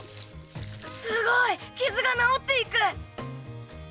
すごい！傷が治っていく！